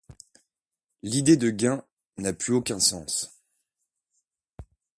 L'idée de gain n'a plus aucun sens.